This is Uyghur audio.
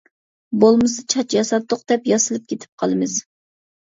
بولمىسا، چاچ ياساتتۇق دەپ ياسىلىپ كېتىپ قالىمىز!